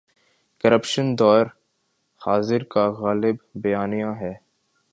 Corruption دور حاضر کا غالب بیانیہ ہے۔